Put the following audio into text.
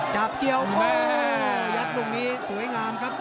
จับเกี่ยวโอ้โหยัดลงนี้สวยงามครับ